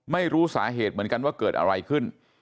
ไม่รู้สาเหตุเหมือนกันว่าเกิดอะไรขึ้น